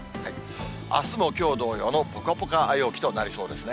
あすもきょう同様のぽかぽか陽気となりそうですね。